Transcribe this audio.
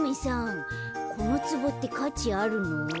このつぼってかちあるの？